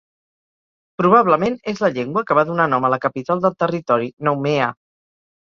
Probablement és la llengua que va donar nom a la capital del territori, Nouméa.